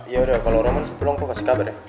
yaudah kalau roman sudah pulang gue kasih kabar ya